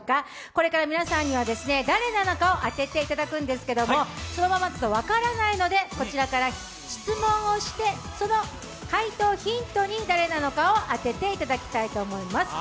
これから皆さんには誰なのかを当てていただきますのでこのままだと分からないので、こちらから質問をしてその解答をヒントに誰なのかを当てていただきたいと思います。